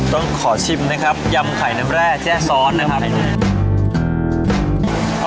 ต้องขอชิมนะครับยำไข่น้ำแร่แจ้ซ้อนนะครับ